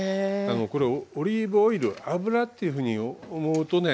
これオリーブオイル油っていうふうに思うとね